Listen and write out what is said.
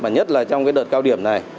nhất là trong đợt cao điểm này